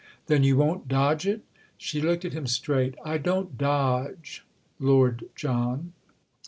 "Then you won't dodge it?" She looked at him straight "I don't dodge, Lord John."